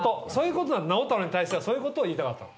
直太朗に対してはそういうことを言いたかったの。